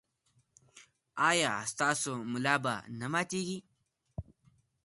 ایا ستاسو ملا به نه ماتیږي؟